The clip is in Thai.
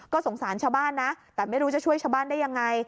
สงสารชาวบ้านนะแต่ไม่รู้จะช่วยชาวบ้านได้ยังไง